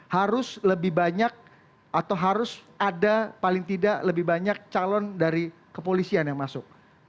harus lebih banyak atau harus ada paling tidak lebih banyak calon dari kepolisian yang masuk